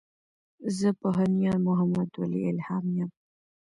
زۀ پوهنيار محمدولي الهام يم.